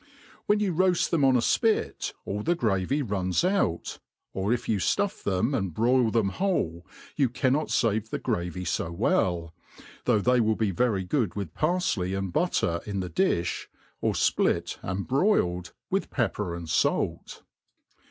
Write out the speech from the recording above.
' When you roafl: them on a fpit, all the gravy runs out; or if you fluff them and broil them whole, you cannot fave the gravy fo well ; though they will be very good with parfley and butter in the di(b, or fplit and broiled, with pepper and f^lt.